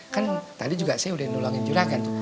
kan tadi juga saya udah nolongin juragan tuh